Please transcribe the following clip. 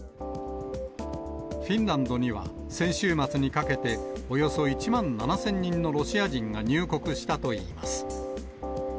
フィンランドには、先週末にかけて、およそ１万７０００人のロシア人が入国したといいます。